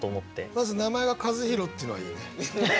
まず名前が「和博」っていうのがいいね。